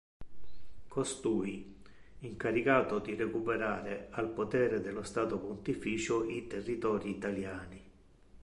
Costui, incaricato di recuperare al potere dello Stato Pontificio i territori italiani.